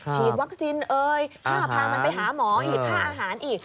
ฉีดวัคซีนเอ่ยค่าพามันไปหาหมออีกค่าอาหารอีก